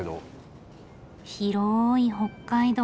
広い北海道。